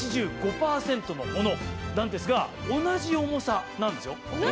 のものなんですが同じ重さなんですよ。